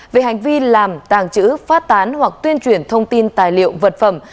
về hành vi làm tàng trữ phát tán hoặc tuyên truyền thông tin tài liệu vật phẩm